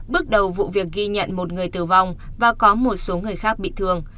bước đầu vụ việc ghi nhận một người tử vong và có một số người khác bị thương